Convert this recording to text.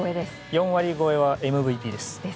４割超えはＭＶＰです。